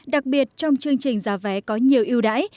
đặc biệt trong chương trình giá vé có nhiều ưu đãi